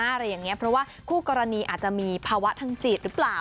อะไรอย่างนี้เพราะว่าคู่กรณีอาจจะมีภาวะทางจิตหรือเปล่า